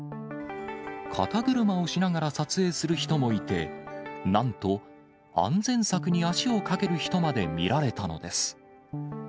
肩車をしながら撮影する人もいて、なんと、安全柵に足をかける人まで見られたのです。